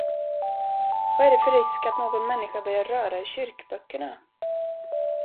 Vad är det för risk att någon människa börjar röra i kyrkböckerna!